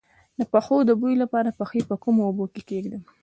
د پښو د بوی لپاره پښې په کومو اوبو کې کیږدم؟